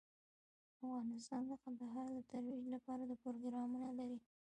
افغانستان د کندهار د ترویج لپاره پروګرامونه لري.